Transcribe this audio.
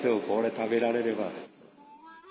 これ食べられれば。